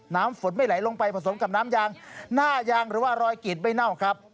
น้ำฝนไม่ไหลลงไปผสมกับน้ำยางหน้ายางหรือว่ารอยกรีดไม่เน่าครับ